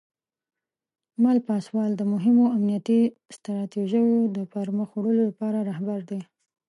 مل پاسوال د مهمو امنیتي ستراتیژیو د پرمخ وړلو لپاره رهبر دی.